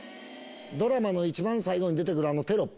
ドラマの一番最後に出てくるあのテロップ。